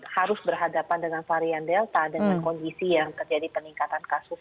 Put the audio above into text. harus berhadapan dengan varian delta dengan kondisi yang terjadi peningkatan kasus